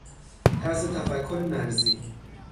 طرز تفکر مرزی